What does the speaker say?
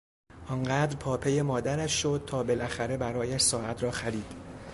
آن قدر پاپی مادرش شد تا بالاخره برایش ساعت را خرید.